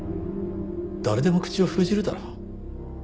誰でも口を封じるだろ？